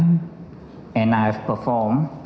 dan saya telah melakukan